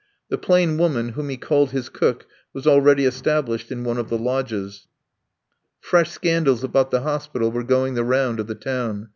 The plain woman whom he called his cook was already established in one of the lodges. Fresh scandals about the hospital were going the round of the town.